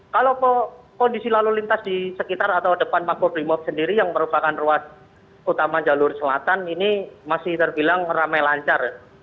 kalau kondisi lalu lintas di sekitar atau depan makobrimob sendiri yang merupakan ruas utama jalur selatan ini masih terbilang ramai lancar